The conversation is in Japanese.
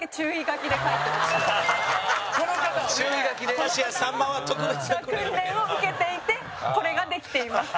吉住：この方は訓練を受けていてこれができていますって。